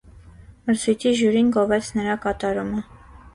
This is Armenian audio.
Մրցույթի ժյուրին գովեց նրա կատարումը։